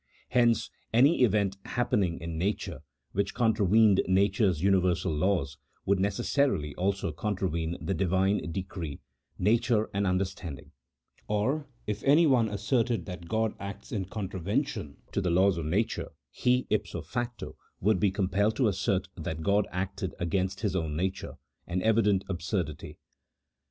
Hence, any event happening in nature which contravened nature's universal laws, would necessarily also contravene the Divine decree, nature, and understanding; or if any one asserted that God acts in contravention to the laws of nature, he, ipso facto, would be compelled to assert that God acted against His own nature — an evident absurdity.